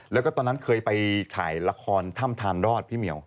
แล้วก็ตอนนั้นเคยไปถ่ายละครถ้ำทานรอดพี่เหมียว